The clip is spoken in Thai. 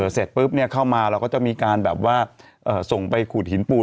เสร็จปุ๊บเข้ามาเราก็จะมีการแบบว่าส่งไปขูดหินปูน